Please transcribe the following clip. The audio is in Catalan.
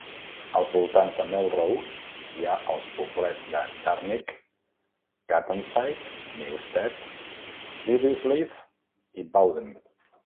Als voltants de Melrose hi ha els poblets de Darnick, Gattonside, Newstead, Lilliesleaf i Bowden.